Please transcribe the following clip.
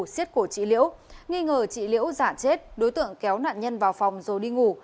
xin chào và hẹn gặp lại